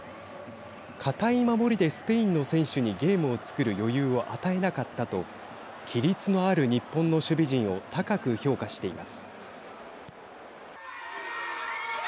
堅い守りでスペインの選手にゲームをつくる余裕を与えなかったと規律のある日本の守備陣を高く評価しています。